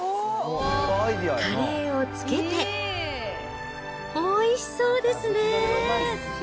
カレーをつけて、おいしそうですね。